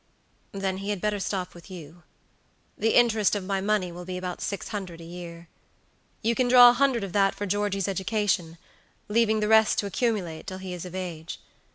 "Then he had better stop with you. The interest of my money will be about six hundred a year. You can draw a hundred of that for Georgey's education, leaving the rest to accumulate till he is of age.